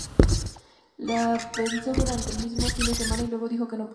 Lo pensó durante el fin de semana y luego dijo que no podía.